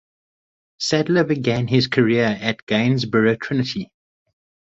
Sadler began his career at Gainsborough Trinity.